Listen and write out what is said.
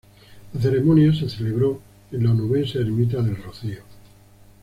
La ceremonia se celebró en la onubense ermita de El Rocío.